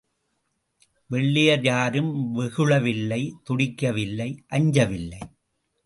வெள்ளையர் யாரும் வெகுளவில்லை, துடிக்கவில்லை, அஞ்சவில்லை.